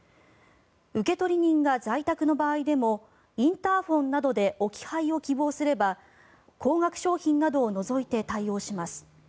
受取人が在宅の場合でもインターホンなどで置き配を希望すれば高額商品などを除いて対応します。